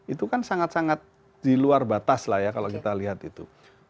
itu kan sangat sangat di luar batas lah ya kalau kita lihat itu